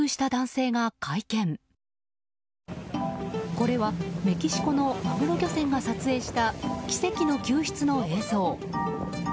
これはメキシコのマグロ漁船が撮影した奇跡の救出の映像。